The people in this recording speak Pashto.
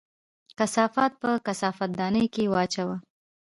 کثافات په کثافت دانۍ کې واچوه